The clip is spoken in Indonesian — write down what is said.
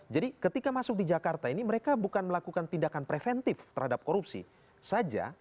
jadi ketika masuk di jakarta ini mereka bukan melakukan tindakan preventif terhadap korupsi saja